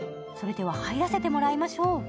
それでは入らせてもらいましょう。